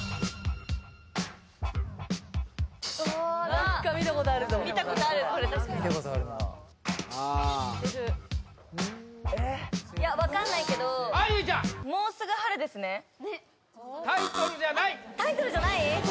ああ何か見たことあるぞ見たことあるこれ確かに見たことあるなああ分かんないけどはい結実ちゃんタイトルじゃないタイトルじゃない？